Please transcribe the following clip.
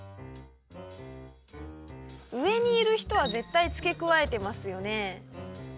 上にいる人は絶対付け加えてますよね。